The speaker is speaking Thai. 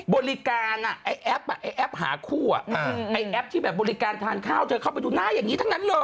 บริการไอ้แอปไอ้แอปหาคู่ไอ้แอปที่แบบบริการทานข้าวเธอเข้าไปดูหน้าอย่างนี้ทั้งนั้นเลย